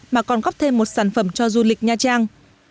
mà còn góp thêm một sản phẩm cho du lịch nha trang